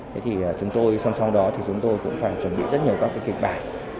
thế thì chúng tôi song song đó thì chúng tôi cũng phải chuẩn bị rất nhiều các cái kịch bản